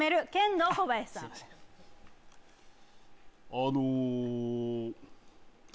あの。